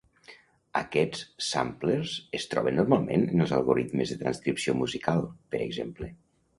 Aquests samplers es troben normalment en els algoritmes de transcripció musical, per exemple.